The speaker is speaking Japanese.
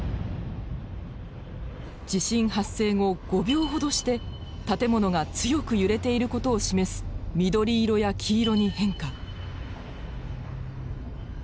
地震発生後５秒ほどして建物が強く揺れていることを示す緑色や黄色に変化。